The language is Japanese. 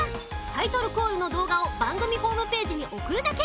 タイトルコールのどうがをばんぐみホームページにおくるだけ。